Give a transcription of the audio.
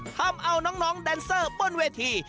ทำเอาน้องแดนเซอร์บนเวที